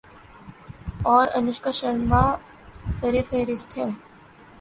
اور انوشکا شرما سرِ فہرست ہیں